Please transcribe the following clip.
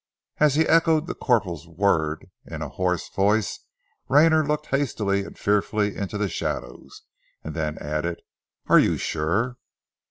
As he echoed the corporal's word in a hoarse voice, Rayner looked hastily and fearfully into the shadows, and then added, "Are you sure?"